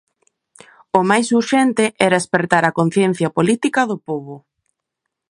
O máis urxente era espertar a conciencia política do pobo.